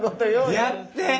やって！